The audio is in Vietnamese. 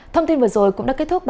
thông tin vừa rồi cũng đã kết thúc